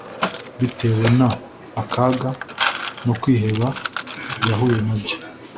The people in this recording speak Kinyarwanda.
bitewe n akaga no kwiheba yahuye nabyo